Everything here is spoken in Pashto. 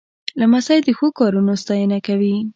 لمسی د ښو کارونو ستاینه کوي.